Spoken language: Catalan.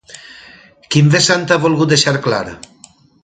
Quin vessant ha volgut deixar clar?